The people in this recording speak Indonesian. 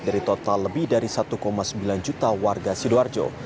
dari total lebih dari satu sembilan juta warga sidoarjo